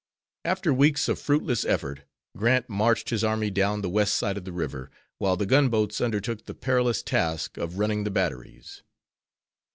After weeks of fruitless effort, Grant marched his army down the west side of the river, while the gunboats undertook the perilous task of running the batteries.